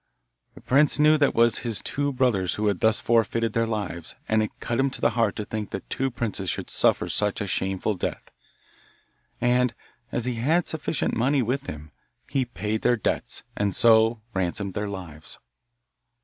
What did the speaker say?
The prince knew that it was his two brothers who had thus forfeited their lives and it cut him to the heart to think that two princes should suffer such a shameful death; and, as he had sufficient money with him, he paid their debts, and so ransomed their lives.